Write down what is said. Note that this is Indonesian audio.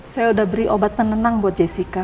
saya udah beri obat penenang buat jessica